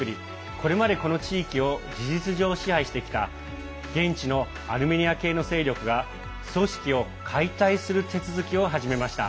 これまで、この地域を事実上支配してきた現地のアルメニア系の勢力が組織を解体する手続きを始めました。